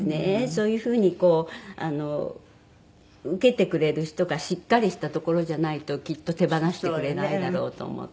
そういう風にこう受けてくれる人がしっかりしたところじゃないときっと手放してくれないだろうと思って。